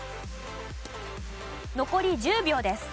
残り１０秒です。